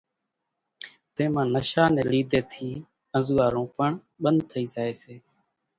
تيمان نشا ني لِيڌي ٿي انزوئارون پڻ ٻنڌ ٿئي زائي سي